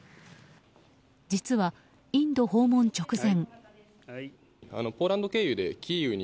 実はインド訪問直前。